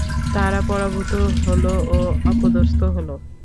তারা পরাভূত হল ও অপদস্থ হল।